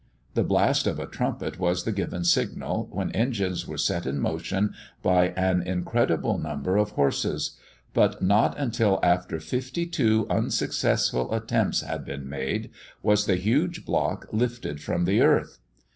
The blast of a trumpet was the given signal, when engines were set in motion by an incredible number of horses; but not until after fifty two unsuccessful attempts had been made, was the huge block lifted from the earth.